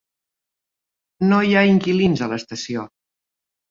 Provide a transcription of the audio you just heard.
No hi ha inquilins a l'estació.